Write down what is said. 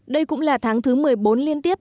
đây cũng là tháng thứ một mươi bốn liên tiếp